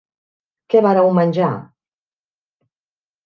Què vareu menjar?